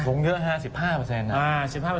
ลงเยอะ๕๕